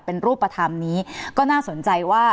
เป็นรูปประธำนีก็น่าสนใจว่า